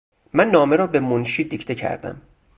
من نامه را به منشی دیکته کردم.